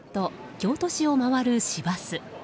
京都市を回る市バス。